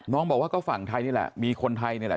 บอกว่าก็ฝั่งไทยนี่แหละมีคนไทยนี่แหละ